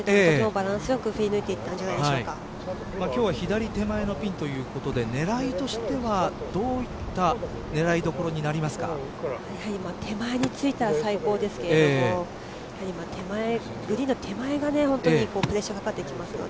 少し奥でしたけどとてもバランスよく振り抜いていた今日は左手前のピンということで、狙いとしてはどういった狙いどころに手前についたら最高ですけどグリーンの手前がプレッシャーかかってきますので。